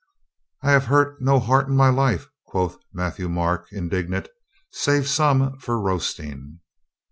"I have hurt no heart in my life," quoth Mat thieu Marc indignant, "save some for roasting."